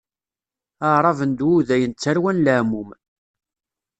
Aɛraben d Wudayen d tarwa n leɛmum.